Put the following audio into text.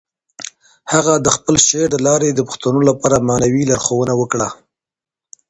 هغه د خپل شعر له لارې د پښتنو لپاره معنوي لارښوونه وکړه.